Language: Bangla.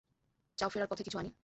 চাও ফেরার পথে কিছু আনি?